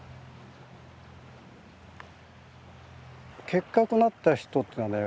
結核になった人っていうのはね